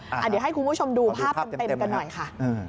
เดี๋ยวให้คุณผู้ชมดูภาพเต็มกันหน่อยค่ะ